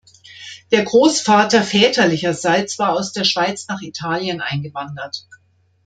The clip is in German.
Der Großvater väterlicherseits war aus der Schweiz nach Italien eingewandert.